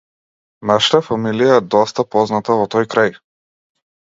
Нашата фамилија е доста позната во тој крај.